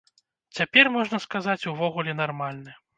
Цяпер, можна сказаць, увогуле нармальны.